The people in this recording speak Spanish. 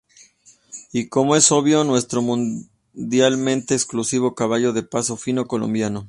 Y como es obvio, nuestro mundialmente exclusivo caballo de paso fino colombiano.